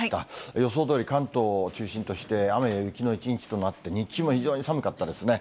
予想どおり、関東を中心として、雨や雪の一日となって、日中も非常に寒かったですね。